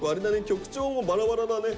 曲調もバラバラだね。